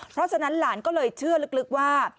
เพราะฉะนั้นหลานก็เลยเชื่อลึกว่า